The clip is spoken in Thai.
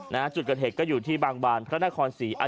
นะจุดก็เห็นก็อยู่บางบานพระราชนาคต์ศรี